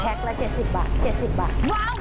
แพ็กละ๗๐บาท๗๐บาท